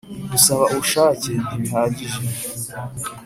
gusaba ubushake ntibihagije;